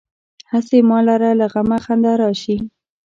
هسې ما لره له غمه خندا راشي.